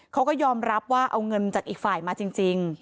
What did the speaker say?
เขาก็ยอมรับว่าเอาเงินจากอีกฝ่ายมาจริง